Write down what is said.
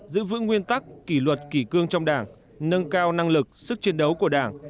giữ vững nguyên tắc kỷ luật kỷ cương trong đảng nâng cao năng lực sức chiến đấu của đảng